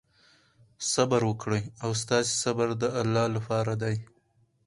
صبر وکړئ او ستاسې صبر د الله لپاره دی.